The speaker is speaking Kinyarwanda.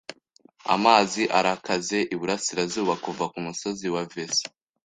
Amazi arakaze iburasirazuba kuva kumusozi wa Veso